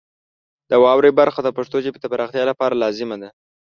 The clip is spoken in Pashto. د واورئ برخه د پښتو ژبې د پراختیا لپاره لازمه ده.